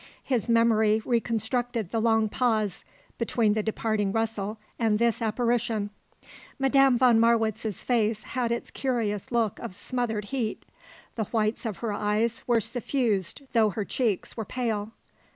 His memory reconstructed the long pause between the departing rustle and this apparition. Madame von Marwitz's face had its curious look of smothered heat. The whites of her eyes were suffused though her cheeks were pale.